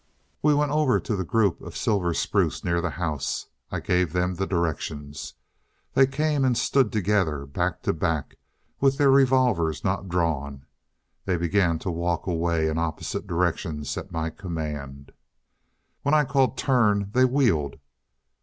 "We went over to the group of silver spruce near the house. I gave them the directions. They came and stood together, back to back, with their revolvers not drawn. They began to walk away in opposite directions at my command. "When I called 'Turn,' they wheeled.